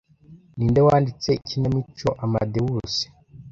Ninde wanditse ikinamico Amadeus